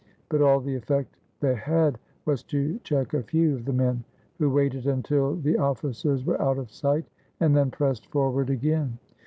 But all the effect they had was to check a few of the men, who waited until the offi cers were out of sight, and then pressed forward again.